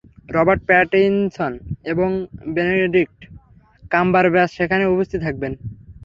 Robert Pattinson এবং Benedict Cumberbatch সেখানে উপস্থিত থাকবেন।